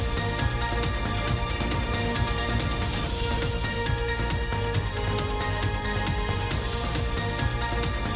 สวัสดีค่ะ